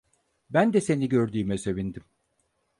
Ben de seni gördüğüme sevindim.